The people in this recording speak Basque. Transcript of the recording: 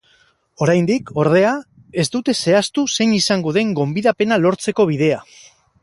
Oraindik, ordea, ez dute zehaztu zein izango den gonbidapena lortzeko bidea.